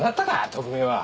特命は。